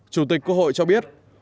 chủ tịch quốc hội cho biết